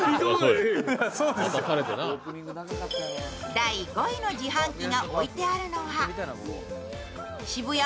第５位の自販機が置いてあるのは渋谷